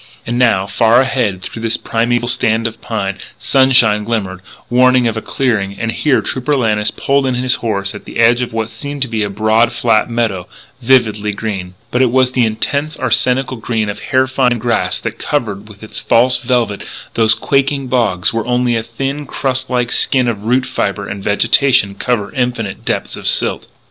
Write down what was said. And now, far ahead through this primeval stand of pine, sunshine glimmered, warning of a clearing. And here Trooper Lannis pulled in his horse at the edge of what seemed to be a broad, flat meadow, vividly green. But it was the intense, arsenical green of hair fine grass that covers with its false velvet those quaking bogs where only a thin, crust like skin of root fibre and vegetation cover infinite depths of silt.